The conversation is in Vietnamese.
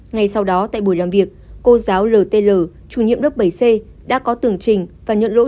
ngày sau đó tại buổi làm việc cô giáo ltl chủ nhiệm lớp bảy c đã có tường trình và nhận lỗi việc cơ